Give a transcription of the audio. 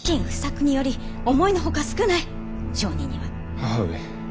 母上。